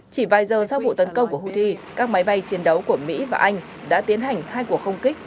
chỉ vài giờ sau vụ tấn công của houthi các máy bay chiến đấu của mỹ và anh đã tiến hành hai cuộc không kích